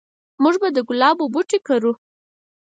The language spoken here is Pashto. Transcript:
موږ به د ګلابو بوټي کرو